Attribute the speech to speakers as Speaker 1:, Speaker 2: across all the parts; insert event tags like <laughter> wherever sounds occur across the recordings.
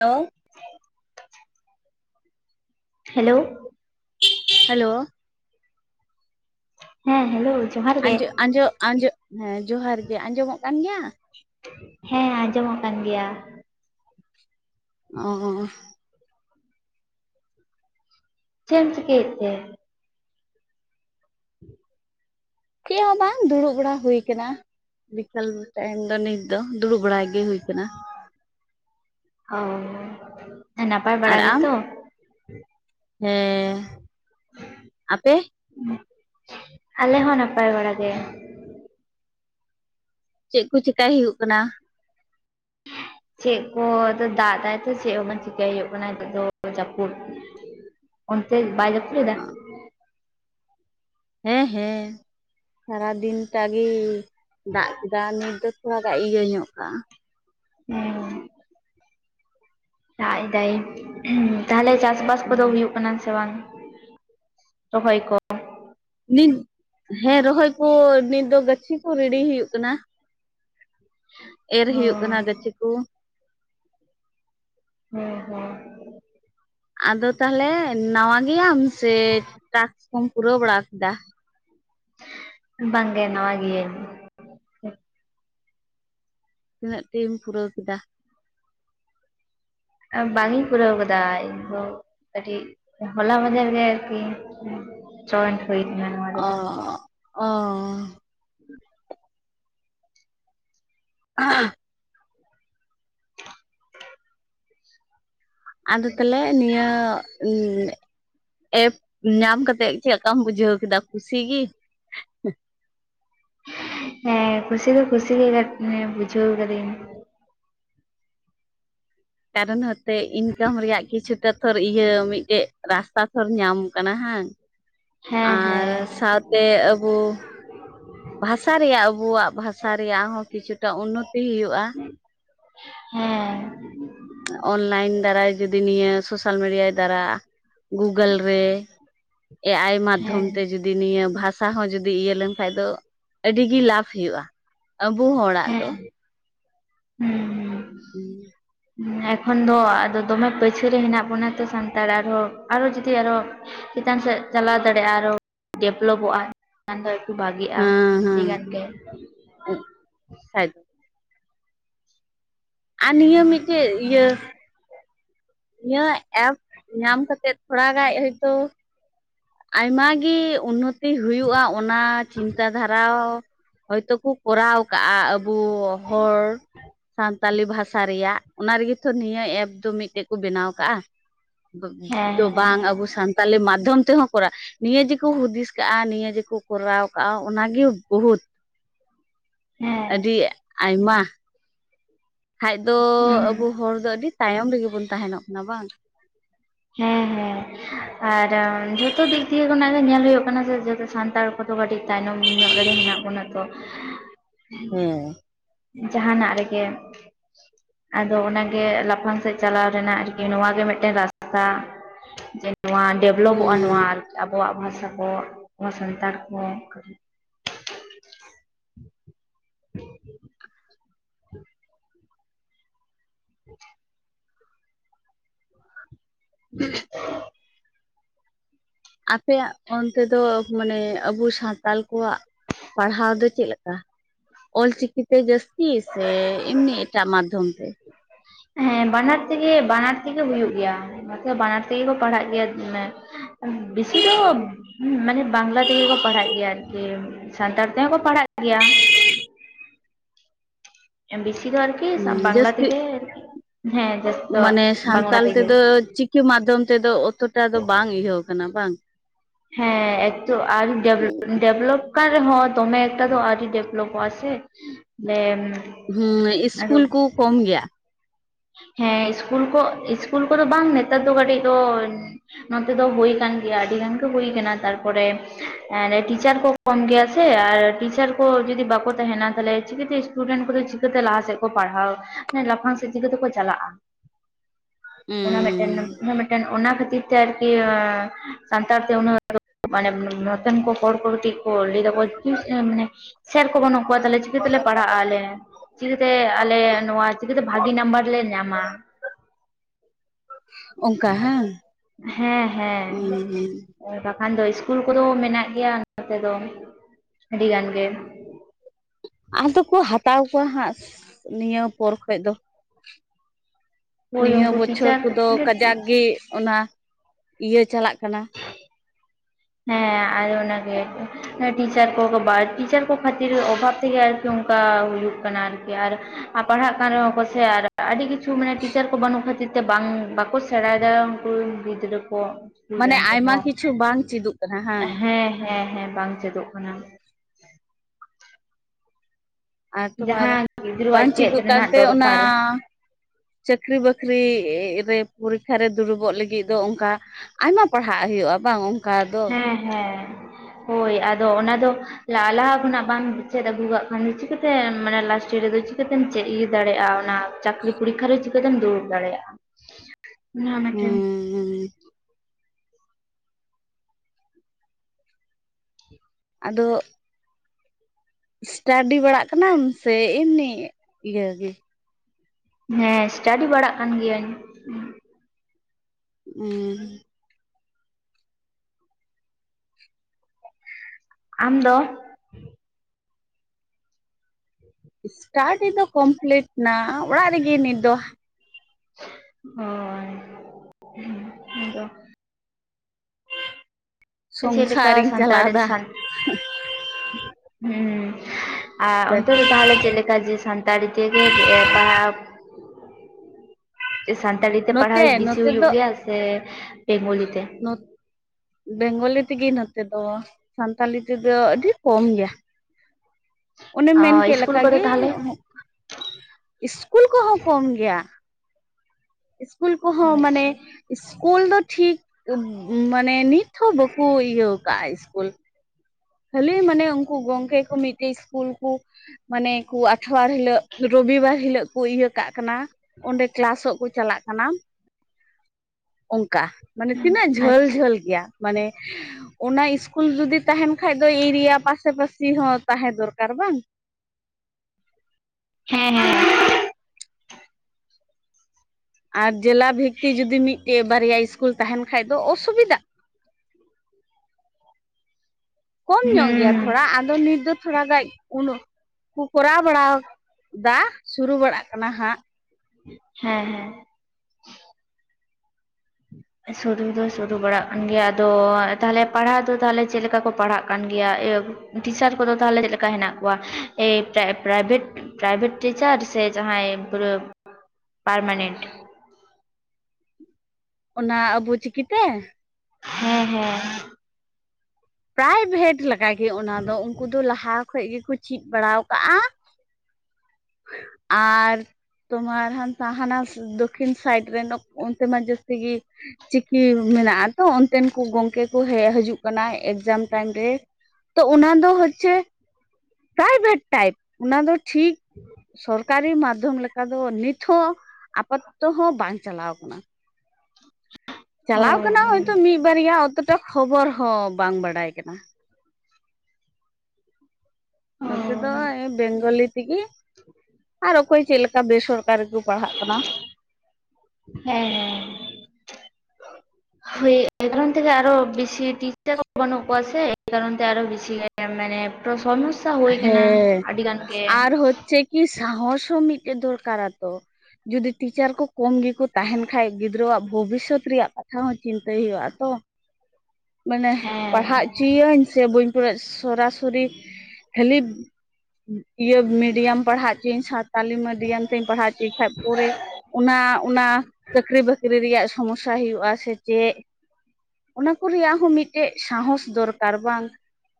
Speaker 1: Hello <inaudible>
Speaker 2: hello
Speaker 1: hello
Speaker 2: ᱦᱮᱸ hello ᱡᱚᱦᱟᱨ ᱜᱮ
Speaker 1: ᱟᱸᱡᱚ ᱟᱸᱡᱚ ᱟᱸᱡᱚ ᱦᱮᱸ ᱡᱚᱦᱟᱨ ᱜᱮ ᱟᱸᱡᱚᱢᱚᱜ ᱠᱟᱱ ᱜᱮᱭᱟ
Speaker 2: ᱦᱮᱸ ᱟᱸᱡᱚᱢᱚᱜ ᱠᱟᱱ ᱜᱮᱭᱟ᱾
Speaker 1: ᱚ
Speaker 2: ᱪᱮᱫ ᱮᱢ ᱪᱤᱠᱟᱹ ᱮᱫ ᱛᱮ?
Speaker 1: ᱪᱮᱫ ᱦᱚᱸ ᱵᱟᱝ ᱫᱩᱲᱩᱵ ᱵᱟᱲᱟ ᱦᱩᱭ ᱟᱠᱟᱱᱟ᱾ ᱵᱤᱠᱮᱞ ᱛᱟᱭᱚᱢ ᱫᱚ ᱱᱤᱛ ᱫᱚ ᱫᱩᱲᱩᱵ ᱵᱟᱲᱟᱭ ᱜᱮ ᱦᱩᱭ ᱠᱟᱱᱟ᱾
Speaker 2: ᱚ ᱱᱟᱯᱟᱭ
Speaker 1: ᱟᱨ
Speaker 2: ᱵᱟᱲᱟ
Speaker 1: ᱟᱢ
Speaker 2: ᱜᱮᱛᱚ?
Speaker 1: ᱦᱮᱸ ᱟᱯᱮ
Speaker 2: ᱟᱞᱮ ᱦᱚᱸ ᱱᱟᱯᱟᱭ ᱵᱟᱲᱟ ᱜᱮ᱾
Speaker 1: ᱪᱮᱫ ᱠᱚ ᱪᱤᱠᱟᱹᱭ ᱦᱩᱭᱩᱜ ᱠᱟᱱᱟ?
Speaker 2: ᱪᱮᱫ ᱠᱚ ᱫᱟᱜ ᱫᱟᱭᱛᱚ ᱪᱮᱫ ᱦᱚᱸ ᱵᱟᱝ ᱪᱤᱠᱟᱹᱭ ᱦᱩᱭᱩᱜ ᱠᱟᱱᱟ ᱱᱤᱛᱚᱜ ᱫᱚ ᱡᱟᱹᱯᱩᱫ ᱚᱱᱛᱮ ᱵᱟᱭ ᱡᱟᱹᱯᱩᱫ ᱮᱫᱟ?
Speaker 1: ᱦᱮᱸ ᱦᱮᱸ ᱥᱟᱨᱟ ᱫᱤᱱ ᱴᱟᱜ ᱜᱮ ᱫᱟᱜ ᱠᱮᱫᱟ ᱱᱤᱨᱫᱳ ᱛᱷᱚᱲᱟ ᱫᱟᱜ ᱤᱭᱟᱹ ᱧᱚᱜ ᱠᱟᱜ
Speaker 2: ᱦᱮᱸ ᱫᱟᱭ ᱫᱟᱭ ᱛᱟᱦᱞᱮ ᱪᱟᱥᱵᱟᱥ ᱠᱚᱫᱚ ᱦᱩᱭᱩᱜ ᱠᱟᱱᱟ ᱥᱮ ᱵᱟᱝ ᱨᱚᱦᱚᱭ ᱠᱚ
Speaker 1: ᱱᱤᱛ ᱦᱮᱸ ᱨᱚᱦᱚᱭ ᱠᱚ ᱱᱤᱛ ᱫᱚ ᱜᱟᱹᱪᱷᱤ ᱠᱚ ᱨᱮᱰᱤ ᱦᱩᱭᱩᱜ ᱠᱟᱱᱟ᱾ ᱮᱨ
Speaker 2: ᱚ
Speaker 1: ᱦᱩᱭᱩᱜ ᱠᱟᱱᱟ ᱜᱟᱪᱷᱤ ᱠᱚ᱾
Speaker 2: ᱦᱮᱸ ᱦᱮᱸ
Speaker 1: ᱟᱫᱚ ᱛᱟᱦᱞᱮ ᱱᱟᱣᱟ ᱜᱮᱭᱟᱢ ᱥᱮ ᱴᱟᱥᱠ ᱠᱚᱢ ᱯᱩᱨᱟᱹᱣ ᱵᱟᱲᱟ ᱠᱮᱫᱟ?
Speaker 2: ᱵᱟᱝ ᱜᱮ ᱱᱟᱣᱟ ᱜᱮᱭᱟᱹᱧᱺ
Speaker 1: ᱛᱤᱱᱟᱹᱜ ᱴᱤ ᱯᱩᱨᱟᱹᱣ ᱠᱮᱫᱟ?
Speaker 2: ᱵᱟᱝ ᱤᱧ ᱯᱩᱨᱟᱹᱣ ᱠᱟᱫᱟ ᱤᱧ ᱫᱚ ᱠᱟᱹᱴᱤᱡ ᱦᱚᱞᱟ ᱢᱟᱫᱮᱨ ᱜᱮ ᱟᱨᱠᱤ ᱡᱚᱭᱮᱱᱴ ᱦᱩᱭ ᱠᱟᱱᱟ ᱱᱚᱣᱟ ᱨᱮ
Speaker 1: ᱚ ᱚ ᱦ ᱟᱫᱚ ᱛᱟᱞᱮ ᱱᱤᱭᱟᱹ ᱮᱯ ᱧᱟᱢ ᱠᱟᱛᱮᱜ ᱪᱮᱫ ᱞᱮᱠᱟᱢ ᱵᱩᱡᱷᱟᱹᱣ ᱠᱮᱫᱟ ᱠᱩᱥᱤ ᱜᱮ
Speaker 2: ᱦᱮᱸ ᱠᱷᱩᱥᱤ ᱫᱚ ᱠᱷᱩᱥᱤ ᱜᱮ ᱵᱩᱡᱷᱟᱹᱣ ᱠᱟᱫᱟᱧ
Speaker 1: ᱠᱟᱨᱚᱱ ᱦᱚᱛᱮ ᱤᱱᱠᱟᱢ ᱨᱮᱭᱟᱜ ᱠᱤᱪᱷᱩᱴᱟᱜ ᱛᱚ ᱤᱭᱟᱹ ᱢᱤᱫᱴᱮᱡ ᱨᱟᱥᱛᱟ ᱛᱷᱚᱨ ᱧᱟᱢ ᱠᱟᱱᱟ᱾ ᱦᱮᱸ
Speaker 2: ᱦᱮᱸ
Speaker 1: ᱟᱨ
Speaker 2: ᱦᱮᱸ
Speaker 1: ᱥᱟᱶᱛᱮ ᱟᱵᱚ ᱵᱷᱟᱥᱟ ᱨᱮᱭᱟᱜ ᱟᱵᱚᱣᱟᱜ ᱵᱷᱟᱥᱟ ᱵᱟᱥᱟ ᱨᱮᱭᱟᱜ ᱦᱚᱸ ᱠᱤᱪᱷᱩᱴᱟᱜ ᱩᱱᱚᱛᱤ ᱦᱩᱭᱩᱜᱼᱟ᱾
Speaker 2: ᱦᱮᱸ
Speaker 1: ᱚᱱᱞᱟᱭᱤᱱ ᱫᱟᱨᱟᱭ ᱡᱚᱫᱤ ᱱᱤᱭᱟᱹ ᱥᱳᱥᱟᱞ ᱢᱤᱰᱤᱭᱟᱭ ᱫᱟᱨᱟ ᱜᱩᱜᱟᱞ ᱨᱮ ᱮ ᱟᱭᱤ ᱢᱟᱫᱽᱫᱷᱚᱢ
Speaker 2: ᱦᱮᱸ
Speaker 1: ᱛᱮ ᱡᱩᱫᱤ ᱱᱤᱭᱟᱹᱢ ᱵᱷᱟᱥᱟ ᱦᱚᱸ ᱡᱩᱫᱤ ᱤᱭᱟᱹ ᱞᱮᱱᱠᱷᱟ ᱫᱚ ᱟᱹᱰᱤ ᱜᱮ ᱞᱟᱵᱷ ᱦᱩᱭᱩᱜᱼᱟ ᱟᱵᱩ ᱦᱚᱲᱟᱜ ᱫᱚ
Speaker 2: ᱦᱩᱸ
Speaker 1: ᱦᱮᱸ
Speaker 2: ᱮᱠᱷᱚᱱ ᱫᱚ ᱟᱫᱚ ᱫᱚᱢᱮ ᱯᱟᱹᱪᱷᱟᱹᱨᱮ ᱦᱮᱱᱟᱜ ᱵᱚᱱᱟ ᱛᱚ ᱥᱟᱱᱛᱟᱲ ᱟᱨᱦᱚᱸ ᱟᱨᱚ ᱡᱩᱫᱤ ᱟᱨᱚ ᱪᱮᱛᱟᱱ ᱥᱮᱫ ᱪᱟᱞᱟᱣ ᱫᱟᱲᱮᱭᱟᱜᱼᱟ ᱟᱨᱚ ᱰᱮᱵᱷᱞᱚᱯᱚᱜᱼᱟᱠᱷᱟᱱ ᱫᱚ ᱵᱷᱟᱹᱜᱮᱜᱼᱟ
Speaker 1: ᱦᱮᱸ
Speaker 2: ᱟᱹᱰᱤ ᱜᱟᱱ ᱜᱮ
Speaker 1: ᱦᱮᱡᱽ ᱟᱨ ᱱᱤᱭᱟᱹ ᱢᱤᱫ ᱴᱮᱱ ᱤᱭᱟᱹ ᱤᱧᱟᱹᱜ ᱮᱯ ᱧᱟᱢ ᱠᱟ ᱠᱟᱛᱮᱜ ᱛᱷᱚᱲᱟ ᱜᱟᱱ ᱦᱳᱭᱛᱳ ᱟᱭᱢᱟ ᱜᱮ ᱩᱱᱱᱚᱛ ᱦᱩᱭᱩᱜᱼᱟ ᱚᱱᱟ ᱪᱤᱱᱛᱟᱹ ᱫᱷᱟᱨᱟ ᱦᱚᱭᱛᱳ ᱠᱚ ᱠᱚᱨᱟᱣ ᱠᱟᱜ ᱟᱵᱚ ᱦᱚᱲ ᱥᱟᱱ ᱛᱟᱞᱤ ᱵᱷᱟᱥᱟ ᱨᱮᱭᱟᱜ ᱚᱱᱟ ᱨᱮᱜᱮ ᱛᱚ ᱱᱤᱭᱟᱹ ᱮᱯ ᱫᱚ ᱢᱤᱫᱴᱮᱡ ᱠᱚ ᱵᱮᱱᱟᱣ ᱟᱠᱟᱫᱼᱟ
Speaker 2: ᱦᱮᱸ
Speaker 1: ᱛᱚ ᱵᱟᱝ ᱟᱵᱚ ᱥᱟᱱᱛᱟᱞᱤ ᱢᱟᱫᱽᱫᱷᱚᱢ ᱛᱮᱦᱚᱸ ᱠᱚᱨᱼᱟ ᱱᱤᱭᱟᱹ ᱜᱮᱠᱚ ᱦᱩᱫᱤᱥ ᱠᱟᱜᱼᱟ ᱱᱤᱭᱟᱹ ᱜᱮᱠᱚ ᱠᱚᱨᱟᱣ ᱠᱟᱜᱼᱟ ᱚᱱᱟᱜᱮ ᱵᱚᱦᱩᱛ
Speaker 2: ᱦᱮᱸ ᱦᱮᱸ
Speaker 1: ᱟᱹᱰᱤ ᱟᱭᱢᱟ ᱠᱷᱟᱭ ᱫᱚ
Speaker 2: ᱦᱩᱸ
Speaker 1: ᱟᱵᱚ ᱦᱚᱲ ᱫᱚ ᱟᱹᱰᱤ ᱛᱟᱭᱚᱢ ᱨᱮᱜᱮ ᱵᱚᱱ ᱛᱟᱦᱮᱱᱚᱜ ᱠᱟᱱᱟ ᱵᱟᱝ
Speaker 2: ᱦᱮᱸ ᱦᱮᱸ ᱟᱨ ᱡᱷᱚᱛᱚ ᱫᱤᱠ ᱫᱤᱭᱮ ᱠᱷᱚᱱᱟᱜ ᱜᱮ ᱧᱮᱞ ᱦᱩᱭᱩᱜ ᱠᱟᱱᱟ ᱡᱮ ᱡᱚᱛᱚ ᱥᱟᱱᱛᱟᱲ ᱠᱚᱫᱚ ᱠᱟᱹᱴᱤᱡ ᱛᱟᱭᱱᱚᱢ ᱧᱚᱜ ᱨᱮᱜᱮ ᱦᱮᱱᱟᱜ ᱵᱚᱱᱟ ᱛᱚ
Speaker 1: ᱦᱮᱸ
Speaker 2: ᱡᱟᱦᱟᱱᱟᱜ ᱨᱮᱜᱮ ᱟᱫᱚ ᱚᱱᱟᱜᱮ ᱞᱟᱯᱷᱟᱝ ᱥᱮᱫ ᱪᱟᱞᱟᱣ ᱨᱮᱱᱟᱜ ᱟᱨᱠᱤ ᱱᱚᱣᱟᱜ ᱜᱮ ᱢᱤᱫᱴᱮᱱ ᱨᱟᱥᱛᱟ ᱱᱚᱶᱟ ᱰᱮᱵᱷᱞᱚᱯᱚᱜᱼᱟ
Speaker 1: ᱦᱩᱸ
Speaker 2: ᱱᱚᱣᱟ ᱟᱨᱠᱤ ᱟ ᱟᱵᱚᱣᱟᱜ ᱵᱷᱟᱥᱟ ᱠᱚ ᱥᱟᱱᱛᱟᱲ ᱠᱚ
Speaker 1: <inaudible>
Speaker 2: <inaudible> <inaudible> <inaudible>
Speaker 1: ᱟᱯᱮᱭᱟᱜ ᱚᱱᱛᱮ ᱫᱚ ᱢᱟᱱᱮ ᱟᱵᱚ ᱥᱟᱱᱛᱟᱞ ᱠᱚᱣᱟᱜ ᱯᱟᱲᱦᱟᱣ ᱫᱚ ᱪᱮᱫ ᱞᱮᱠᱟ? ᱚᱞ ᱪᱤᱠᱤ ᱛᱮ ᱡᱟᱹᱥᱛᱤ ᱥᱮ ᱮᱢᱱᱤ ᱮᱴᱟᱜ ᱢᱟᱫᱽᱫᱷᱚᱢ ᱛᱮ
Speaker 2: ᱦᱮᱸ ᱵᱟᱱᱟᱨ ᱛᱮᱜᱮ ᱵᱟᱱᱟᱨ ᱛᱮᱜᱮ ᱦᱩᱭᱩᱜ ᱜᱮᱭᱟ ᱱᱚᱛᱮ ᱵᱟᱱᱟᱨ ᱛᱮᱜᱮ ᱠᱚ ᱯᱟᱲᱦᱟᱜ ᱜᱮᱭᱟ ᱵᱮᱥᱤ ᱫᱚ ᱢᱟᱱᱮ ᱵᱟᱝᱞᱟ ᱛᱮᱜᱮ ᱠᱚ ᱯᱟᱲᱦᱟᱜ ᱜᱮᱭᱟ ᱟᱨᱠᱤ ᱥᱟᱱᱛᱟᱲ ᱛᱮᱦᱚᱸ ᱠᱚ ᱯᱟᱲᱦᱟᱜ ᱜᱮᱭᱟ ᱮᱢ ᱵᱮᱥᱤ ᱫᱚ ᱟᱨᱠᱤ ᱵᱟᱝᱞᱟ
Speaker 1: ᱡᱟᱹᱥᱛᱤ
Speaker 2: ᱛᱮᱜᱮ ᱟᱨᱠᱤ ᱦᱮᱸ ᱡᱟᱹᱥᱛᱤ ᱫᱚ
Speaker 1: ᱢᱟᱱᱮ
Speaker 2: ᱵᱟᱝᱞᱟ
Speaker 1: ᱥᱟᱱᱛᱟᱞ
Speaker 2: ᱛᱮᱜᱮ
Speaker 1: ᱛᱮᱫᱚ ᱪᱤᱠᱤ ᱢᱟᱫᱽᱫᱷᱚᱢ ᱛᱮᱫᱚ ᱚᱛᱚᱴᱟ ᱫᱚ ᱵᱟᱝ ᱤᱭᱟᱹᱣ ᱠᱟᱱᱟ ᱵᱟᱝ
Speaker 2: ᱦᱮᱸ ᱮᱛᱚ ᱟᱨ ᱰᱮᱵᱷᱞᱚᱯ ᱠᱟᱱ ᱦᱚᱸ ᱫᱚᱢᱮ ᱮᱠᱴᱟ ᱫᱚ ᱟᱹᱰᱤ ᱰᱮᱵᱷᱞᱚᱯᱚᱜᱼᱟ ᱥᱮ
Speaker 1: ᱦᱮᱸ
Speaker 2: ᱟᱫᱚ
Speaker 1: ᱤᱥᱠᱩᱞ ᱠᱚ ᱠᱚᱢ ᱜᱮᱭᱟ
Speaker 2: ᱦᱮᱸ ᱤᱥᱠᱩᱞ ᱠᱚ ᱤᱥᱠᱩᱞ ᱠᱚᱫᱚ ᱵᱟᱝ ᱱᱮᱛᱟᱨ ᱫᱚ ᱠᱟᱹᱴᱤᱡ ᱫᱚ ᱱᱚᱛᱮ ᱫᱚ ᱦᱩᱭ ᱠᱟᱱᱟ ᱜᱮᱭᱟ ᱟᱹᱰᱤ ᱜᱟᱱ ᱠᱚ ᱦᱩᱭ ᱟᱠᱟᱱᱟ ᱛᱟᱨᱯᱚᱨᱮ ᱴᱤᱪᱟᱨ ᱠᱚ ᱠᱚᱢ ᱜᱮᱭᱟ ᱥᱮ ᱟᱨ ᱴᱤᱪᱟᱨ ᱠᱚ ᱡᱩᱫᱤ ᱵᱟᱠᱚ ᱛᱟᱦᱮᱱᱟ ᱛᱟᱦᱚᱞᱮ ᱪᱤᱠᱟᱹᱛᱮ ᱥᱴᱩᱰᱮᱱᱴ ᱠᱚᱫᱚ ᱪᱤᱠᱟᱹᱛᱮ ᱞᱟᱦᱟ ᱥᱮᱫ ᱠᱚ ᱯᱟᱲᱦᱟᱣ ᱞᱟᱯᱷᱟᱝ ᱥᱮᱫ ᱪᱤᱠᱟᱹ ᱛᱮ ᱠᱚ ᱪᱟᱞᱟᱜᱼᱟ ᱚᱱᱟ ᱢᱤᱫ ᱴᱮᱱ ᱢᱤᱫ ᱴᱮᱱ ᱚᱱᱟ ᱠᱷᱟᱹᱛᱤᱨ ᱟᱨᱠᱤ ᱥᱟᱱᱛᱟᱲ ᱛᱮ ᱩᱱᱟᱹᱜ ᱢᱟᱱᱮ ᱱᱚᱛᱮ ᱱᱩᱠᱩ ᱦᱚᱲ ᱠᱚ ᱠᱟᱹᱴᱤᱡ ᱞᱟᱹᱭ ᱫᱟᱠᱚ ᱢᱟᱱᱮ ᱥᱮᱨ ᱠᱚ ᱵᱟᱹᱱᱩᱜ ᱠᱚᱣᱟ ᱛᱟᱦᱚᱞᱮ ᱪᱤᱠᱟᱹ ᱛᱮᱞᱮ ᱯᱟᱲᱦᱟᱜᱼᱟ ᱟᱞᱮ ᱪᱤᱠᱟᱹᱛᱮ ᱟᱞᱮ ᱱᱚᱣᱟ ᱪᱤᱠᱟᱹᱛᱮ ᱵᱷᱟᱜᱤ ᱱᱟᱢᱵᱟᱨ ᱞᱮ ᱧᱟᱢ
Speaker 1: ᱚᱱᱠᱟ ᱦᱮᱸ
Speaker 2: ᱦᱮᱸ ᱦᱮᱸ
Speaker 1: ᱦᱩᱸ ᱦᱩᱸ
Speaker 2: ᱟᱱ ᱫᱚ ᱤᱥᱠᱩᱞ ᱠᱚᱫᱚ ᱢᱮᱱᱟᱜ ᱜᱮᱭᱟ ᱱᱚᱛᱮ ᱫᱚ ᱟᱹᱰᱤ ᱜᱟᱱ ᱜᱮ
Speaker 1: ᱟᱫᱚ ᱠᱚ ᱦᱟᱛᱟᱣ ᱠᱚᱣᱟ ᱦᱟᱸᱜ ᱱᱤᱭᱟᱹ ᱯᱚᱨ ᱠᱷᱚᱡ ᱫᱚ
Speaker 2: ᱦᱳᱭ
Speaker 1: ᱱᱤᱭᱟᱹ
Speaker 2: ᱩᱱᱠᱩ
Speaker 1: ᱵᱚᱪᱷᱚᱨ
Speaker 2: ᱴᱤᱪᱟᱨ
Speaker 1: ᱠᱚᱫᱚ ᱠᱟᱡᱟᱠ ᱜᱮ ᱚᱱᱟ ᱤᱭᱟᱹ ᱪᱟᱞᱟᱜ ᱠᱟᱱᱟ᱾ <inaudible>
Speaker 2: ᱦᱮᱸ ᱟᱨ ᱚᱱᱟ ᱜᱮ ᱴᱤᱪᱟᱨ ᱠᱚ ᱴᱤᱪᱟᱨ ᱠᱚ ᱠᱷᱟᱹᱛᱤᱨ ᱚᱵᱷᱟᱵ ᱛᱮᱜᱮ ᱟᱨᱠᱤ ᱚᱱᱠᱟ ᱦᱩᱭᱩᱜ ᱠᱟᱱᱟ ᱟᱨᱠᱤ ᱟᱨ ᱯᱟᱲᱦᱟᱜ ᱠᱟᱱ ᱨᱮᱦᱚᱸ ᱠᱚᱥᱮ ᱟᱨ ᱟᱹᱰᱤ ᱠᱤᱪᱷᱩ ᱠᱤᱪᱷᱩ ᱢᱟᱱᱮ ᱴᱤᱪᱟᱨ ᱠᱚ ᱵᱟᱹᱱᱩᱜ ᱠᱷᱟᱹᱛᱤᱨ ᱛᱮ ᱵᱟᱝ ᱵᱟᱠᱚ ᱥᱮᱬᱟᱭᱮᱫᱟ ᱩᱱᱠᱩ ᱜᱤᱫᱽᱨᱟᱹ ᱠᱚ ᱤᱥᱠᱩᱞ
Speaker 1: ᱢᱟᱱᱮ
Speaker 2: ᱨᱮᱱ
Speaker 1: ᱟᱭᱢᱟ
Speaker 2: ᱠᱚᱦᱚᱸ
Speaker 1: ᱠᱤᱪᱷᱩ ᱵᱟᱝ ᱪᱮᱫᱚᱜ ᱠᱟᱱᱟ ᱦᱟᱝ
Speaker 2: ᱦᱮᱸ ᱦᱮᱸ ᱦᱮᱸ ᱵᱟᱝ ᱪᱮᱫᱚᱜ ᱠᱟᱱᱟ
Speaker 1: ᱟᱨ ᱛᱳᱢᱟᱨ
Speaker 2: ᱡᱟᱦᱟᱸ ᱜᱤᱫᱽᱨᱟᱹᱣᱟᱜ
Speaker 1: ᱵᱟᱝ
Speaker 2: ᱪᱮᱫ
Speaker 1: ᱪᱮᱫᱚᱜ
Speaker 2: ᱨᱮᱱᱟᱜ
Speaker 1: ᱠᱟᱱᱛᱮ ᱚᱱᱟ
Speaker 2: ᱫᱚᱨᱠᱟᱨ
Speaker 1: ᱪᱟᱹᱠᱨᱤ ᱵᱟᱹᱠᱨᱤ ᱨᱮ ᱯᱚᱨᱤᱠᱠᱷᱟ ᱨᱮ ᱫᱩᱲᱩᱵᱚᱜ ᱞᱟᱹᱜᱤᱫ ᱫᱚ ᱚᱱᱠᱟ ᱟᱭᱢᱟ ᱯᱟᱲᱦᱟᱜ ᱦᱩᱭᱩᱜᱼᱟ ᱵᱟᱝ ᱚᱱᱠᱟ ᱫᱚ
Speaker 2: ᱦᱮᱸ ᱦᱮᱸ ᱦᱳᱭ ᱟᱫᱚ ᱚᱱᱟ ᱫᱚ ᱞᱟᱦᱟ ᱞᱟᱦᱟ ᱠᱷᱚᱱᱟᱜ ᱵᱟᱢ ᱪᱮᱫ ᱟᱹᱜᱩ ᱠᱟᱜ ᱠᱷᱟᱱ ᱫᱚ ᱪᱤᱠᱟᱹᱛᱮ ᱢᱟᱱᱮ ᱨᱮᱫᱚ ᱪᱤᱠᱟᱹᱛᱮᱢ ᱪᱮᱫ ᱤᱭᱟᱹ ᱫᱟᱲᱮᱭᱟᱜᱼᱟ ᱚᱱᱟ ᱪᱟᱹᱠᱨᱤ ᱯᱚᱨᱤᱠᱠᱷᱟ ᱨᱮ ᱪᱤᱠᱟᱹᱛᱮᱢ ᱫᱩᱲᱩᱹᱵ ᱫᱟᱲᱮᱭᱟᱜᱼᱟ᱾
Speaker 1: <inaudible>
Speaker 2: <unintelligible> ᱦᱠ
Speaker 1: ᱦᱩᱸ ᱟᱫᱚ ᱥᱴᱟᱰᱤ ᱵᱟᱲᱟᱜ ᱠᱟᱱᱟᱢ ᱥᱮ ᱮᱢᱱᱤ ᱤᱭᱟᱹᱜᱮ
Speaker 2: ᱦᱮᱸ ᱥᱴᱟᱰᱤ ᱵᱟᱲᱟᱜ ᱠᱟᱱ ᱜᱤᱭᱟᱹᱧ᱾
Speaker 1: ᱦᱩᱸ
Speaker 2: ᱟᱢ ᱫᱚ?
Speaker 1: ᱥᱴᱟᱨᱴ ᱫᱚ ᱠᱚᱢᱯᱞᱤᱴ ᱮᱱᱟ ᱚᱲᱟᱜ ᱨᱮᱜᱮ ᱱᱤᱛ ᱫᱚ᱾
Speaker 2: ᱦᱳᱭ ᱱᱤᱛ ᱪᱮᱫ ᱞᱮᱠᱟ <unintelligible>
Speaker 1: ᱥᱚᱝᱥᱟᱨᱤᱧ
Speaker 2: ᱦᱮᱸ
Speaker 1: ᱪᱟᱞᱟᱣ ᱫᱟ
Speaker 2: ᱟᱨ ᱚᱱᱛᱮ ᱫᱚ ᱛᱟᱦᱞᱮ ᱪᱮᱫ ᱞᱮᱠᱟᱮ ᱥᱟᱱᱛᱟᱲᱤ ᱛᱮᱜᱮ ᱯᱟᱲᱦᱟᱜ ᱥᱟᱱᱛᱟᱲᱤ ᱛᱮ ᱯᱟᱲᱦᱟᱣ
Speaker 1: ᱱᱚᱛᱮ
Speaker 2: ᱵᱮᱥᱤ
Speaker 1: ᱱᱚᱛᱮ
Speaker 2: ᱦᱩᱭᱩᱜ
Speaker 1: ᱫᱚ
Speaker 2: ᱜᱮᱭᱟ ᱥᱮ ᱵᱮᱝᱜᱚᱞᱤ ᱛᱮ?
Speaker 1: ᱱᱚ ᱵᱮᱝᱜᱚᱞᱤ ᱛᱮᱜᱮ ᱱᱚᱛᱮ ᱫᱚ ᱥᱟᱱᱛᱟᱲᱤ ᱛᱮᱫᱚ ᱟᱹᱰᱤ ᱠᱚᱢ ᱜᱮᱭᱟ ᱚᱱᱮᱢ
Speaker 2: ᱚ
Speaker 1: ᱢᱮᱱ ᱠᱮᱫ
Speaker 2: ᱤᱥᱠᱩᱞ ᱠᱚᱨᱮ
Speaker 1: ᱞᱮᱠᱟᱜᱮ
Speaker 2: ᱛᱟᱦᱚᱞᱮ
Speaker 1: ᱤᱥᱠᱩᱞ ᱠᱚᱦᱚᱸ ᱠᱚᱢ ᱜᱮᱭᱟ᱾ ᱤᱥᱠᱩᱞ ᱠᱚᱦᱚᱸ ᱢᱟᱱᱮ
Speaker 2: ᱟᱪᱪᱷᱟ
Speaker 1: ᱤᱥᱠᱩᱞ ᱫᱚ ᱴᱷᱤᱠ ᱢᱟᱱᱮ ᱱᱤᱛ ᱦᱚᱸ ᱵᱟᱠᱚ ᱤᱭᱟᱹ ᱠᱟᱭ ᱥᱠᱩᱞ ᱠᱷᱟᱹᱞᱤ ᱢᱟᱱᱮ ᱩᱱᱠᱩ ᱜᱚᱝᱠᱮ ᱠᱚ ᱢᱤᱫᱴᱮᱡ ᱤᱥᱠᱩᱞᱠᱩ ᱢᱟᱱᱮ ᱟᱴᱷᱣᱟᱨ ᱦᱤᱞᱳᱜ ᱨᱚᱵᱤᱵᱟᱨ ᱦᱤᱞᱳᱜ ᱠᱚ ᱤᱭᱟᱹ ᱠᱟᱜ ᱠᱟᱱᱟ ᱚᱸᱰᱮ ᱠᱞᱟᱥᱚᱜ ᱠᱚ ᱪᱟᱞᱟᱜ ᱠᱟᱱᱟ᱾ <unintelligible> ᱢᱟᱱᱮ ᱛᱤᱱᱟᱹᱜ ᱡᱷᱟᱹᱞ
Speaker 2: ᱟᱪᱪᱷᱟ
Speaker 1: ᱡᱷᱟᱹᱞ ᱜᱮᱭᱟ ᱢᱟᱱᱮ ᱚᱱᱟ ᱤᱥᱠᱩᱞ ᱡᱩᱫᱤ ᱛᱟᱦᱮᱱ ᱠᱷᱟᱱ ᱵᱟᱠᱷᱟᱡ ᱫᱚ ᱮᱨᱤᱭᱟ ᱯᱟᱥᱟᱯᱟᱥᱤ ᱦᱚᱸ ᱛᱟᱦᱮᱸ ᱫᱚᱨᱠᱟᱨ ᱵᱟᱝ
Speaker 2: ᱦᱮᱸ ᱦᱮᱸ
Speaker 1: ᱟᱨ ᱡᱮᱞᱟ ᱵᱷᱤᱛᱛᱤ ᱡᱩᱫᱤ ᱢᱤᱫᱴᱮᱡ ᱵᱟᱨᱭᱟ ᱤᱥᱠᱩᱞ ᱛᱟᱦᱮᱱ ᱠᱷᱟᱡ ᱫᱚ ᱚᱥᱩᱵᱤᱫᱟᱜ ᱠᱚᱢ
Speaker 2: ᱦᱩᱸ
Speaker 1: ᱧᱚᱜ ᱜᱮᱭᱟ ᱛᱷᱚᱲᱟ ᱟᱫᱚ ᱱᱤᱛ ᱫᱚ ᱛᱷᱚᱲᱟ ᱜᱟᱱ ᱩᱱ ᱠᱚ ᱠᱚᱨᱟᱣ ᱵᱟᱲᱟᱣᱟ ᱥᱩᱨᱩ ᱵᱟᱲᱟᱜ ᱠᱟᱱᱟ ᱦᱟᱸᱜ
Speaker 2: ᱦᱮᱸ ᱦᱮᱸ
Speaker 1: <inaudible>
Speaker 2: ᱥᱩᱨᱩ ᱫᱚ ᱥᱩᱨᱩ ᱵᱟᱲᱟᱜ ᱠᱟᱱ ᱜᱮᱭᱟ ᱟᱫᱚ ᱛᱟᱦᱚᱞᱮ ᱯᱟᱲᱦᱟᱣ ᱫᱚ ᱛᱟᱦᱚᱞᱮ ᱪᱮᱫ ᱞᱮᱠᱟ ᱠᱚ ᱯᱟᱲᱦᱟᱜ ᱠᱟᱱ ᱜᱮᱭᱟ ᱴᱤᱪᱟᱨ ᱠᱚᱫᱚ ᱛᱟᱦᱚᱞᱮ ᱪᱮᱫ ᱞᱮᱠᱟ ᱦᱮᱱᱟᱜ ᱠᱚᱣᱟ ᱯᱨᱟᱭᱵᱷᱮᱴ ᱯᱨᱟᱭᱵᱷᱮᱴ ᱴᱤᱪᱟᱨ ᱥᱮ <unintelligible> ᱵ
Speaker 1: <inaudible>
Speaker 2: ᱯᱟᱨᱢᱮᱱᱴ
Speaker 1: ᱚᱱᱟ ᱟᱵᱩ ᱪᱤᱠᱤᱛᱮ?
Speaker 2: ᱦᱮᱸ ᱦᱮᱸ
Speaker 1: ᱯᱨᱟᱭᱵᱷᱮᱴ ᱞᱮᱠᱟᱜᱮ ᱚᱱᱟ ᱫᱚ ᱩᱱᱠᱩ ᱫᱚ ᱞᱟᱦᱟ ᱠᱷᱚᱡ ᱜᱮᱠᱚ ᱪᱮᱫ ᱵᱟᱲᱟ ᱠᱟᱜᱼᱟ ᱟᱨ ᱛᱳᱢᱟᱨ ᱦᱟᱱ ᱦᱟᱱᱟ ᱫᱚᱠᱠᱷᱤᱱ ᱥᱟᱭᱤᱰ ᱨᱮᱱ ᱚᱱᱛᱮ ᱢᱟ ᱡᱟᱹᱥᱛᱤ ᱜᱮᱤ ᱪᱤᱠᱤ ᱢᱮᱱᱟᱜᱼᱟ ᱛᱚ ᱚᱱᱛᱮᱱ ᱠᱚ ᱜᱚᱝᱠᱮ ᱠᱚ ᱦᱮᱡ ᱦᱤᱡᱩᱜ ᱠᱟᱱᱟ <unintelligible> ᱛᱚ ᱚᱱᱟ ᱫᱚ ᱦᱚᱪᱪᱷᱮ ᱯᱨᱟᱭᱵᱷᱮᱴ ᱴᱟᱭᱤᱯ ᱚᱱᱟ ᱫᱚ ᱴᱷᱤᱠ ᱥᱚᱨᱠᱟᱨᱤ ᱤ ᱢᱟᱫᱽᱫᱷᱚᱢ ᱞᱮᱠᱟ ᱫᱚ ᱱᱤᱛ ᱦᱚᱸ ᱟᱯᱟᱛᱛᱚ ᱦᱚᱸ ᱵᱟᱝ ᱪᱟᱞᱟᱣ ᱟᱠᱟᱱᱟ ᱾
Speaker 2: ᱚ
Speaker 1: ᱪᱟᱞᱟᱣ ᱠᱟᱱᱟ ᱦᱚᱭᱛ ᱢᱤᱫ ᱵᱟᱨᱭᱟ ᱚᱛᱚᱴᱟ ᱠᱷᱚᱵᱚᱨ ᱦᱚᱸ ᱵᱟᱝ ᱵᱟᱲᱟᱭ ᱠᱟᱱᱟ ᱾
Speaker 2: ᱚ
Speaker 1: ᱱᱚᱛᱮ ᱫᱚ ᱱᱮᱜᱮ ᱵᱮᱝᱜᱚᱞᱤ ᱛᱮᱜᱤ ᱾
Speaker 2: <inaudible>
Speaker 1: ᱚᱠᱚᱭ ᱪᱮᱫ ᱞᱮᱠᱟ ᱵᱮ ᱥᱚᱨᱠᱟᱨ ᱚᱠᱟ ᱨᱮᱠᱚ ᱯᱟᱲᱦᱟᱜ ᱠᱟᱱᱟ? <inaudible>
Speaker 2: ᱦᱮᱸ ᱦᱚᱭ ᱮᱠᱷᱚᱱ ᱟᱨᱚ ᱵᱮᱥᱤ ᱴᱤᱪᱟᱨ <unintelligible> ᱛᱮ ᱟᱨᱚ ᱵᱮᱥᱤ ᱢᱟᱱᱮ ᱵᱵᱷᱩᱛ᱾ <unintelligible>
Speaker 1: ᱦᱮᱸ ᱟᱨ ᱦᱚᱪᱪᱷᱮ ᱠᱤ ᱥᱟᱦᱚᱥ ᱦᱚᱸ ᱢᱤᱫ ᱪᱮᱫ ᱫᱚᱨᱠᱟᱨ ᱟᱫᱚ ᱡᱩᱫᱤ ᱴᱤᱪᱟᱨ ᱠᱚ ᱠᱚᱢ ᱜᱮᱠᱚ ᱛᱟᱦᱮᱱ ᱠᱷᱟᱱ ᱜᱤᱫᱽᱨᱟᱹᱣᱟᱜ ᱵᱷᱚᱵᱤᱥᱚᱛ ᱨᱮᱭᱟᱜ ᱠᱟᱛᱷᱟ ᱦᱚᱸ ᱪᱤᱱᱛᱟᱹᱭ ᱦᱩᱭᱩᱜ-ᱟ ᱛᱚ᱾ ᱢᱟᱱᱮ ᱯᱟᱲᱦᱟᱜ ᱩᱪᱚᱭᱤᱭᱟᱹᱧ ᱥᱮ ᱵᱟᱹᱧ ᱥᱚᱨᱟᱥᱚᱨᱤ ᱠᱷᱟᱹᱞᱤ ᱤᱭᱟᱹ ᱢᱤᱰᱤᱭᱟᱢ ᱯᱟᱲᱦᱟᱣ ᱚᱪᱚᱭᱟᱧ ᱛᱟᱞᱤᱢ ᱢᱤᱰᱤᱭᱟᱢ ᱛᱤᱧ ᱯᱟᱲᱦᱟᱣ ᱦᱚᱪᱚᱭ ᱠᱷᱟᱱᱡ ᱯᱚᱨᱮ ᱚᱱᱟ ᱚᱱᱟ ᱪᱟᱹᱠᱨᱤ ᱵᱟᱹᱠᱨᱤ ᱨᱮᱭᱟᱜ ᱥᱚᱢᱚᱥᱥᱟ ᱦᱩᱭᱩᱜᱼᱟ ᱥᱮ ᱪᱮᱫ? ᱚᱱᱟ ᱠᱚ ᱨᱮᱭᱟᱜ ᱦᱚᱸ ᱢᱤᱫᱴᱮᱡ ᱥᱟᱦᱚᱥ ᱫᱚᱨᱠᱟᱨ ᱵᱟᱝ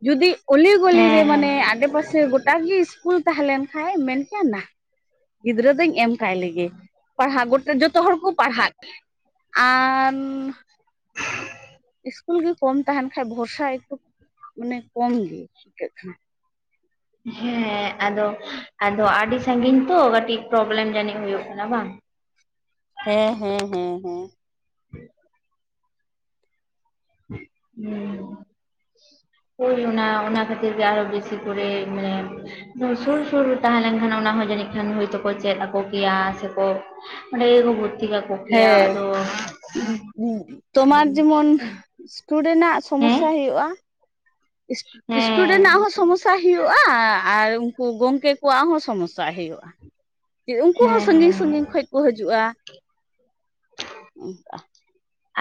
Speaker 1: ᱡᱩᱫᱤ ᱩᱞᱤ ᱜᱚᱞᱤ ᱨᱮ
Speaker 2: ᱦᱮᱸ ᱦᱮᱸ
Speaker 1: ᱢᱟᱱᱮ ᱟᱰᱮ-ᱯᱟᱥᱮ ᱜᱚᱴᱟᱜ ᱜᱮ ᱤᱥᱠᱩᱞ ᱛᱟᱦᱮᱸ ᱞᱮᱱ ᱠᱷᱟᱱ ᱢᱮᱱ <unintelligible> ᱜᱤᱫᱽᱨᱟᱹ ᱫᱚᱧ ᱮᱢ ᱠᱟᱭ ᱞᱮᱜᱮ ᱯᱟᱲᱦᱟᱣ ᱜᱚᱴᱟ ᱡᱚᱛᱚ ᱡᱚᱛᱚ ᱦᱚᱲ ᱠᱚ ᱯᱟᱲᱦᱟᱜ ᱟᱱ ᱤᱥᱠᱩᱞ ᱜᱮ ᱠᱚᱢ ᱛᱟᱦᱮᱱ ᱠᱷᱟᱱ ᱵᱷᱚᱨᱥᱟ ᱮᱠᱴᱩ ᱢᱟᱱᱮ ᱠᱚᱢ ᱜᱮ <unintelligible>
Speaker 2: ᱦᱮᱸ ᱟᱫᱚ ᱟᱫᱚ ᱟᱹᱰᱤ ᱥᱟᱺᱜᱤᱧ ᱛᱚ ᱠᱟᱹᱴᱤᱡ ᱯᱨᱚᱵᱞᱮᱢ ᱡᱟᱹᱱᱤᱡ ᱦᱩᱭᱩᱜ ᱠᱟᱱᱟ ᱵᱟᱝ?
Speaker 1: ᱦᱮᱸ ᱦᱮᱸ ᱦᱮᱸ ᱦᱮᱸ
Speaker 2: <unintelligible> ᱦᱮᱸ ᱦᱩᱭ ᱚᱱᱟ ᱚᱱᱟ ᱠᱷᱟᱹᱛᱤᱨ ᱜᱮ ᱟᱨᱚ ᱵᱮᱥᱤ ᱠᱚᱨᱮ ᱢᱟᱱᱮ ᱥᱩᱨ ᱥᱩᱨ ᱨᱮ ᱛᱟᱦᱮᱸ ᱞᱮᱱᱠᱷᱟᱱ ᱚᱱᱟ ᱦᱚᱸ ᱡᱟᱱᱤᱡ ᱢᱮᱱᱟᱹᱱ ᱠᱷᱟᱱ ᱦᱚᱭ ᱛᱚᱠᱚ ᱪᱮᱫ ᱟᱠᱚ ᱠᱮᱭᱟ ᱥᱮᱠᱚ ᱚᱸᱰᱮ ᱜᱮᱠᱚ ᱠᱟᱠᱚ ᱠᱮᱭᱟ
Speaker 1: ᱦᱮᱸ
Speaker 2: ᱟᱫᱚ
Speaker 1: ᱛᱚᱢᱟᱨ
Speaker 2: ᱥᱟᱺᱜᱤᱧ ᱜᱮᱭᱟ
Speaker 1: ᱡᱮᱢᱚᱱ
Speaker 2: ᱛᱚ᱾
Speaker 1: ᱤᱥᱰᱩᱰᱸᱴ ᱦᱟᱜ
Speaker 2: ᱦᱮᱸ
Speaker 1: ᱥᱚᱢᱚᱥᱭᱟ ᱦᱩᱭᱩᱜᱼᱟ ᱾
Speaker 2: ᱦᱮᱸ
Speaker 1: ᱤᱥᱴᱩᱰᱮᱱᱴ ᱟᱜ ᱦᱚᱸ ᱥᱚᱢᱚᱥᱭᱟ ᱦᱩᱭᱩᱜᱼᱟ ᱟᱨ ᱩᱱᱠᱩ ᱜᱚᱝᱠᱮ ᱠᱚᱣᱟᱜ ᱦᱚᱸ ᱥᱚᱢᱚᱥᱭᱟ ᱦᱩᱭᱩᱜᱼᱟ ᱩᱱᱠᱩ ᱦᱚᱸ
Speaker 2: ᱦᱮᱸ
Speaker 1: ᱥᱟᱺᱜᱤᱧ
Speaker 2: ᱦᱮᱸ
Speaker 1: ᱥᱟᱺᱜᱤᱧ ᱠᱷᱚᱱ ᱠᱚ ᱦᱤᱡᱩᱜᱼᱟ ᱾ ᱚᱱᱠᱟ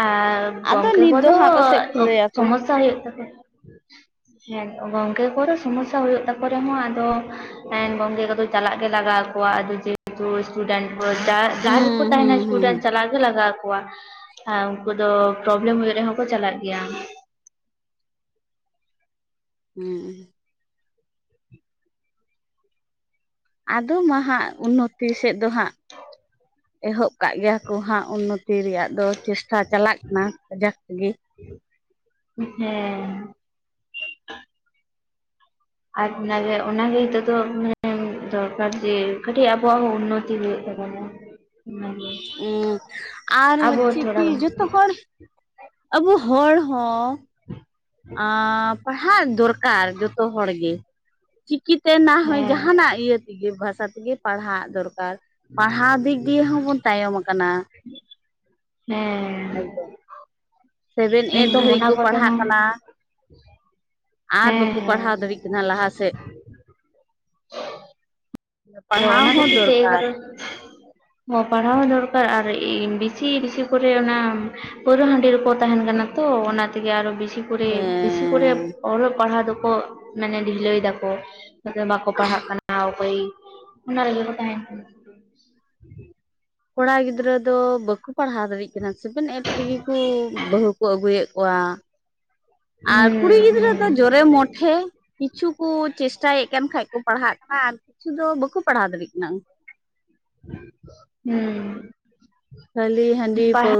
Speaker 2: ᱟᱨ
Speaker 1: ᱟᱫᱚ
Speaker 2: ᱜᱚᱝᱠᱮ
Speaker 1: ᱱᱤᱛ ᱫᱚ
Speaker 2: ᱠᱚᱫᱚ
Speaker 1: ᱦᱟᱸᱜ ᱯᱟᱥᱮᱡ ᱠᱷᱩᱞᱟᱹᱭᱟᱠᱚ
Speaker 2: ᱥᱚᱢᱚᱥᱭᱟ ᱦᱩᱭᱩᱜ ᱛᱟᱠᱚ ᱜᱮᱭᱟ ᱾
Speaker 1: <inaudible>
Speaker 2: ᱦᱮᱸ ᱜᱚᱝᱠᱮ ᱠᱚᱫᱚ ᱥᱚᱢᱚᱥᱭᱟ ᱦᱩᱭᱩᱜ ᱛᱟᱠᱚ ᱨᱮᱦᱚᱸ ᱟᱫᱚ ᱜᱚᱝᱠᱮ ᱠᱚᱫᱚ ᱪᱟᱞᱟᱜ ᱜᱮ ᱞᱟᱜᱟᱜ ᱾ ᱟᱫᱚ ᱡᱮᱦᱮᱛᱩ ᱤᱥᱴᱩᱰᱮᱱᱴ ᱡᱟᱦᱟᱸ ᱜᱮᱠᱚ
Speaker 1: ᱦᱩᱸ
Speaker 2: ᱛᱟᱦᱮᱱᱟ
Speaker 1: ᱦᱩᱸ ᱦᱩᱸ
Speaker 2: ᱤᱥᱴᱩᱰᱮᱱᱴ ᱞᱟᱜᱟᱣ ᱟᱠᱚᱣᱟ ᱩᱱᱠᱩ ᱫᱚ ᱯᱨᱚᱵᱞᱮᱢ ᱦᱩᱭᱩᱜ ᱨᱮᱦᱚᱸ ᱠᱚ ᱪᱟᱞᱟᱜ ᱜᱮᱭᱟ᱾
Speaker 1: <inaudible> ᱦᱮᱸ ᱟᱫᱚ ᱢᱟᱦᱟᱸᱜ ᱩᱱᱱᱚᱛᱤ ᱥᱮᱫ ᱫᱚ ᱦᱟᱸᱜ ᱮᱦᱚᱵ ᱠᱟᱜ ᱜᱮᱭᱟ ᱠᱚ ᱦᱟᱸᱜ ᱩᱱᱱᱚᱛᱤ ᱨᱮᱭᱟᱜ ᱫᱚ ᱪᱮᱥᱴᱟ ᱪᱟᱞᱟᱜ ᱠᱟᱱᱟ ᱠᱟᱡᱟᱠ ᱛᱮᱜᱮ ᱾
Speaker 2: ᱦᱮᱸ ᱟᱨ ᱚᱱᱟᱜᱮ ᱚᱱᱟᱜᱮ ᱱᱤᱛᱚᱜ ᱫᱚ ᱢᱟᱱᱮ ᱫᱚᱨᱠᱟᱨ ᱡᱮ ᱠᱟᱹᱴᱤᱡ ᱟᱵᱚᱣᱟᱜ ᱦᱚᱸ ᱩᱱᱱᱚᱛᱤ ᱦᱩᱭᱩᱜ ᱛᱟᱵᱚᱱᱟ ᱾
Speaker 1: ᱩ ᱟᱨ
Speaker 2: ᱟᱵᱚ
Speaker 1: ᱦᱚᱪᱪᱮ
Speaker 2: ᱛᱷᱚᱲᱟ
Speaker 1: ᱠᱤ ᱡᱚᱛᱷᱚ ᱦᱚᱲ ᱟᱵᱚ ᱦᱚᱲ ᱦᱚᱸ ᱟᱸ ᱯᱟᱲᱦᱟᱣ ᱫᱚᱨᱠᱟᱨ ᱡᱚᱛᱚ ᱦᱚᱲᱜᱮ ᱪᱤᱠᱤ ᱛᱮ ᱱᱟᱦᱟᱭ
Speaker 2: ᱦᱮᱸ
Speaker 1: ᱡᱟᱦᱟᱱᱟᱜ ᱤᱭᱟᱹ ᱛᱮᱜᱮ ᱵᱷᱟᱥᱟ ᱛᱮᱜᱮ ᱯᱟᱲᱦᱟᱜ ᱫᱚᱨ ᱯᱟᱲᱦᱟᱣ ᱫᱤᱠ ᱫᱤᱭᱮ ᱦᱚᱸᱵᱚᱱ ᱛᱟᱭᱚᱢ ᱟᱠᱟᱱᱟ
Speaker 2: ᱦᱮᱸ
Speaker 1: ᱥᱮᱵᱷᱮᱱ ᱮᱭᱤᱴ
Speaker 2: ᱮᱠᱫᱚᱢ
Speaker 1: ᱫᱷᱟᱹᱨᱤᱡ
Speaker 2: ᱚᱱᱟ
Speaker 1: ᱠᱚ
Speaker 2: ᱠᱚᱛᱮ
Speaker 1: ᱯᱟᱲᱦᱟᱜ
Speaker 2: ᱦᱚᱸ
Speaker 1: ᱠᱟᱱᱟ ᱟᱨ
Speaker 2: ᱦᱮᱸ
Speaker 1: ᱵᱟᱠᱚ
Speaker 2: ᱦᱮᱸ
Speaker 1: ᱯᱟᱲᱦᱟᱣ ᱫᱟᱲᱮᱭᱟᱜ ᱠᱟᱱᱟ ᱞᱟᱦᱟ ᱥᱮᱫ
Speaker 2: ᱟᱨ
Speaker 1: ᱯᱟᱲᱦᱟᱣ
Speaker 2: ᱚᱱᱟ
Speaker 1: ᱦᱚᱸ
Speaker 2: ᱠᱷᱟᱹᱛᱤᱨ ᱛᱮ ᱮ
Speaker 1: ᱫᱚᱨᱠᱟᱨ
Speaker 2: ᱠᱟᱨᱚᱱ ᱯᱟᱲᱦᱟᱣ ᱫᱚᱨᱠᱟᱨ ᱟᱨ ᱵᱮᱥᱤ ᱵᱮᱥᱤ ᱠᱚᱨᱮ ᱚᱱᱟ ᱯᱟᱹᱣᱨᱟᱹ ᱦᱟᱺᱰᱤ ᱨᱮᱠᱚ ᱛᱟᱦᱮᱱ ᱠᱟᱱᱟ ᱛᱚ ᱚᱱᱟ ᱛᱮᱜᱮ ᱟᱨᱚ ᱵᱮᱥᱤ ᱵᱮᱥᱤ ᱠᱚᱨᱮ ᱵᱮᱥᱤ ᱠᱚᱨᱮ
Speaker 1: ᱦᱮᱸ
Speaker 2: ᱚᱞᱚᱜ ᱯᱟᱲᱦᱟᱜ ᱫᱚᱠᱚ ᱢᱟᱱᱮ ᱰᱷᱤᱞᱟᱹᱭ ᱫᱟᱠᱚ ᱵᱟᱠᱚ ᱯᱟᱲᱦᱟᱜ ᱠᱟᱱᱟ ᱚᱠᱚᱭ ᱚᱱᱟ ᱨᱮᱜᱮ ᱠᱚ ᱛᱟᱦᱮᱱ ᱠᱟᱱᱟ
Speaker 1: ᱠᱚᱲᱟ ᱜᱤᱫᱽᱨᱟᱹ ᱫᱚ ᱵᱟᱠᱚ ᱯᱟᱲᱦᱟᱣ ᱫᱟᱲᱭᱟᱜ ᱠᱟᱱᱟ ᱥᱮᱵᱮᱱ ᱮᱤᱴ ᱛᱮᱜᱮ ᱠᱚ ᱵᱟᱹᱦᱩ ᱠᱚ ᱟᱹᱜᱩᱭᱮᱫ ᱠᱚᱣᱟ ᱟᱨ ᱠᱩᱲᱤ ᱜᱤᱫᱽᱨᱟᱹ
Speaker 2: ᱦᱩᱸ
Speaker 1: ᱫᱚ ᱡᱚᱨᱮ ᱢᱚᱴᱷᱮ ᱠᱤᱪᱷᱩ ᱠᱚ ᱪᱮᱥᱴᱟᱭᱮᱫ ᱠᱟᱱ ᱠᱷᱟᱡ ᱠᱚ ᱯᱟᱲᱦᱟᱜ ᱠᱟᱱᱟ ᱟᱨ ᱠᱤᱪᱷᱩ ᱫᱚ ᱵᱟᱠᱚ ᱯᱟᱲᱦᱟᱣ ᱫᱟᱲᱮᱭᱟᱜ ᱠᱟᱱᱟ
Speaker 2: ᱦᱩᱸ
Speaker 1: ᱠᱷᱟᱹᱞᱤ
Speaker 2: ᱦᱩᱸ
Speaker 1: ᱦᱟᱺᱰᱤ ᱯᱟᱹᱣ
Speaker 2: ᱯᱟᱲᱦᱟᱣ